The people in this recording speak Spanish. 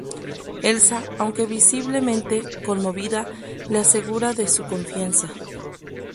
Elsa, aunque visiblemente conmovida, le asegura de su confianza.